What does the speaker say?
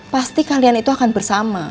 pasti kalian itu akan bersama